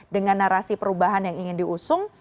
dengan narasi perubahan yang ingin diusung